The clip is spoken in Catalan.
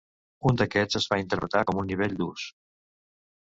Un d'aquests es va interpretar com un nivell d’ús.